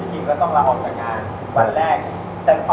สวัสดีครับผมชื่อสามารถชานุบาลชื่อเล่นว่าขิงถ่ายหนังสุ่นแห่ง